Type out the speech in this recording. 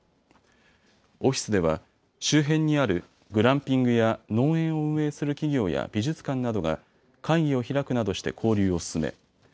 オフィスでは周辺にあるグランピングや農園を運営する企業や美術館などが会議を開くなどして交流を進め